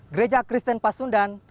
gereja kristen pasundan